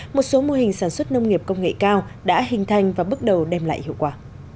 một số mô hình sản xuất nông nghiệp công nghệ cao đã hình thành và bước đầu đem lại hiệu quả